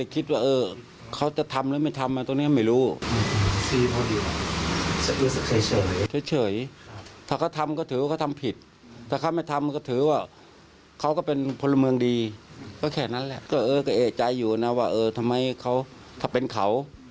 ก็แค่นั้นแหละก็เอกใจอยู่นะว่าทำไมเขาทำเป็นเขา